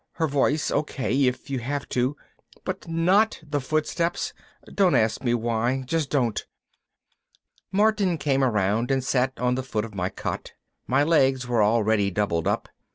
Her voice, okay, if you have to. But not the footsteps. Don't ask me why, just don't." Martin came around and sat on the foot of my cot. My legs were already doubled up.